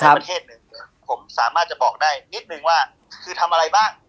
ประเทศหนึ่งผมสามารถจะบอกได้นิดนึงว่าคือทำอะไรบ้าง